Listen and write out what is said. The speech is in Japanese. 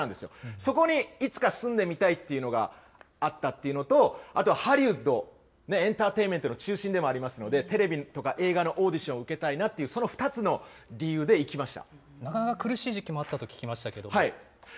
そこにいつか住んでみたいというのがあったっていうのと、あとはハリウッド、エンターテインメントの中心でもありますので、テレビとか映画のオーディションを受けたいなっていう、その２つの理由で行きました。